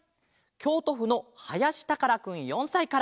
きょうとふのはやしたからくん４さいから。